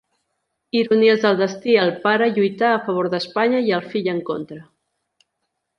Ironies del destí, el pare lluità a favor d'Espanya i el fill en contra.